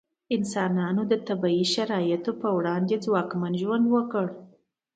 انسانانو د طبیعي شرایطو په وړاندې ځواکمن ژوند وکړ.